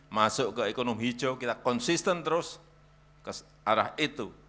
masuk ke ekonomi hijau kita konsisten terus ke arah itu